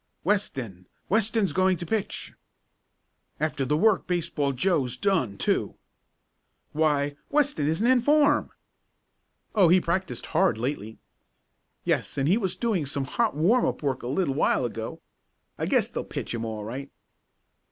"Weston! Weston's going to pitch!" "After the work Baseball Joe's done too!" "Why, Weston isn't in form." "Oh, he's practiced hard lately." "Yes, and he was doing some hot warming up work a little while ago. I guess they'll pitch him all right."